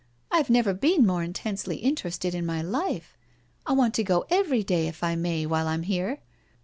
" I have never been more in tensely interested in my life. I want to go every day, if I may, while I'm here.